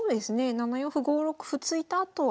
７四歩５六歩突いたあとは。